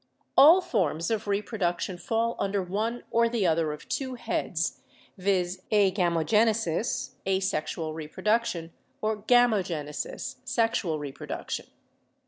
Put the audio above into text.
All forms of reproduction fall under one or the other of two heads, viz., agamogenesis (asexual reproduction) or gamogenesis (sexual reproduction).